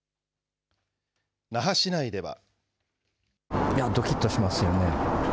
那覇市内では。